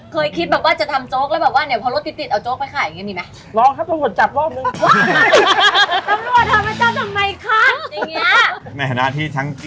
เคยคิดแบบว่าจะทำโจ๊กแล้วแบบว่าเนี่ย